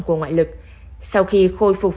của ngoại lực sau khi khôi phục